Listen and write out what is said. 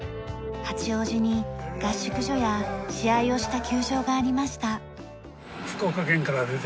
八王子に合宿所や試合をした球場がありました。